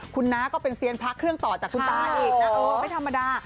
คุณน้าก็เป็นเซียนพระเครื่องต่อจากคุณตาอีกนะเออไม่ธรรมดา